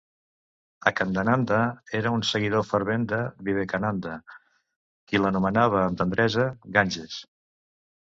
Akhandananda era un seguidor fervent de Vivekananda, qui l"anomenava amb tendresa "Ganges".